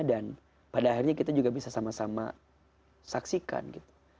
pada akhirnya kita juga bisa sama sama saksikan gitu